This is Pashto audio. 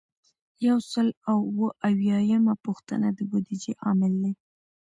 یو سل او اووه اویایمه پوښتنه د بودیجې عامل دی.